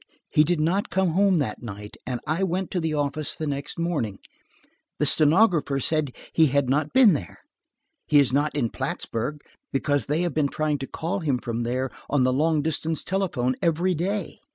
He did not come home that night and I went to the office the next morning. The stenographer said he had not been there. He is not at Plattsburg, because they have been trying to call him from there on the long distance telephone every day."